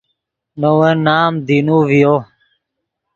نے ون نام دینو ڤیو